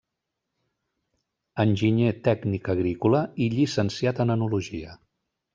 Enginyer tècnic agrícola i llicenciat en enologia.